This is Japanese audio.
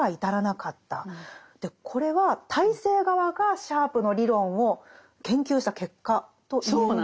これは体制側がシャープの理論を研究した結果と言えるんですよね。